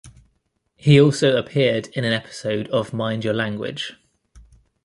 He also appeared in an episode of "Mind Your Language".